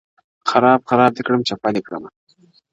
خراب خراب دي کړم چپه دي کړمه,